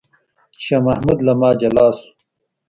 چې شاه محمود له ما جلا شو.